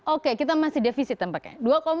oke kita masih defisit tampaknya